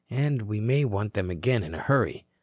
And we may want them again in a hurry."